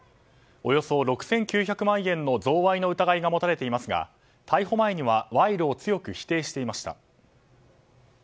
およそ６９００万円の贈賄の疑いが持たれていますが逮捕前には賄賂を強く否定していました。